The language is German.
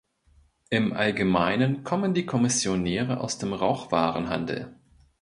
Im Allgemeinen kommen die Kommissionäre aus dem Rauchwarenhandel.